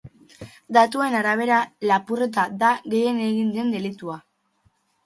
Datuen arabera, lapurreta da gehien egin den delitua.